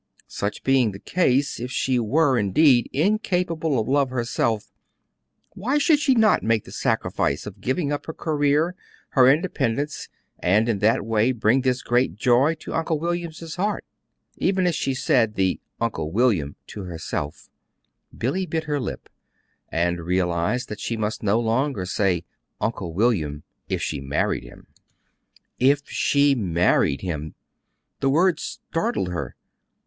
Such being the case, if she were, indeed, incapable of love herself, why should she not make the sacrifice of giving up her career, her independence, and in that way bring this great joy to Uncle William's heart?... Even as she said the "Uncle William" to herself, Billy bit her lip and realized that she must no longer say "Uncle" William if she married him. "If she married him." The words startled her.